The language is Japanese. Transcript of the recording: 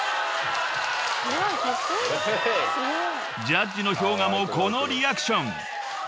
［ジャッジのＨｙＯｇＡもこのリアクション］